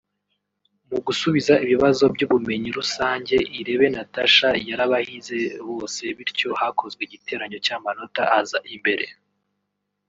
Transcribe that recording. Mu gusubiza ibibazo by’ubumenyi rusange Irebe Natasha yarabahize bose bityo hakozwe igiteranyo cy’amanota aza imbere